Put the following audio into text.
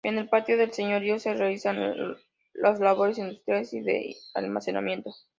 En el patio del señorío se realizan las labores industriales y de almacenamiento.